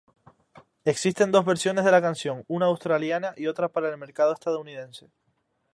Existen dos versiones de la canción: una australiana y otra para el mercado estadounidense.